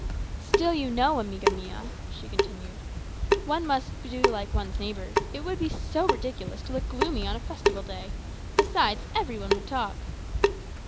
"Still, you know, amiga mia," she continued, "one must do like one's neighbours. It would be so ridiculous to look gloomy on a festival day. Besides, every one would talk."